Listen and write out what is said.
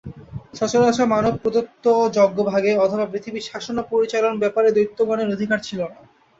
সচরাচর মানব-প্রদত্ত যজ্ঞভাগে অথবা পৃথিবীর শাসন ও পরিচালন-ব্যাপারে দৈত্যগণের অধিকার ছিল না।